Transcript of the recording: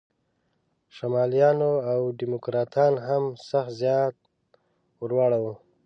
شمالیانو او دیموکراتانو هم سخت زیان ور واړاوه.